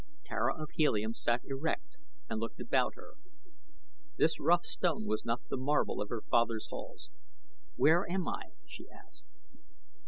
Tara of Helium sat erect and looked about her. This rough stone was not the marble of her father's halls. "Where am I?" she asked.